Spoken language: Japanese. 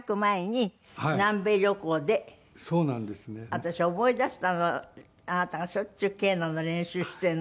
私思い出したのあなたがしょっちゅうケーナの練習しているの。